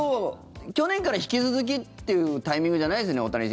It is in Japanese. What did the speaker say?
去年から引き続きというタイミングじゃないですよね。